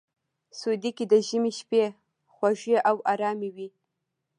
سعودي کې د ژمي شپې خوږې او ارامې وي.